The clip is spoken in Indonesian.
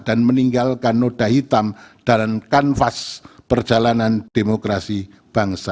dan meninggalkan noda hitam dalam kanvas perjalanan demokrasi bangsa